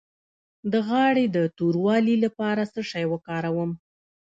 د غاړې د توروالي لپاره څه شی وکاروم؟